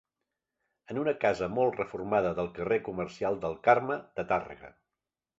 És una casa molt reformada del carrer comercial del Carme de Tàrrega.